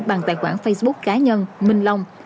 bằng tài khoản facebook cá nhân minh long